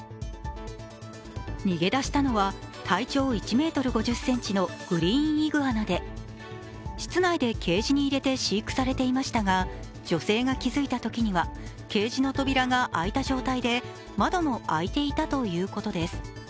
逃げ出したのは体長１ｍ５０ｃｍのグリーンイグアナで、室内でケージに入れて飼育されていましたが女性が気づいたときにはケージの扉が開いた状態で窓も開いていたということです。